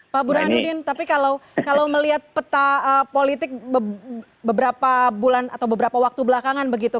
pak burhanuddin tapi kalau melihat peta politik beberapa bulan atau beberapa waktu belakangan begitu